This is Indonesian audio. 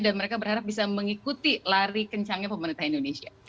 dan mereka berharap bisa mengikuti lari kencangnya pemerintah indonesia